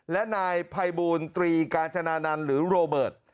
และนายภัยบูลตรีกาญจนานันต์หรือโรเบิร์ต